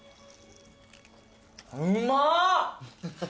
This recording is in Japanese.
うまっ！